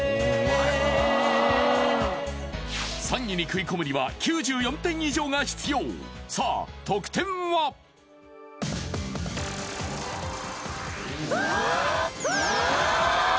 ３位に食い込むには９４点以上が必要さあ得点は？あっ！